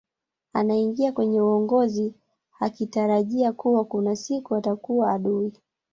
anaingia kwenye uongozi hakitarajia kuwa kuna siku atakua adui